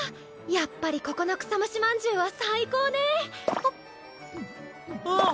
やっぱりここの草ムシまんじゅうは最高ね。はむっ。